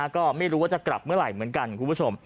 ก็ไม่รู้ว่าจะกลับเมื่อไหร่เหมือนกันคุณผู้ชม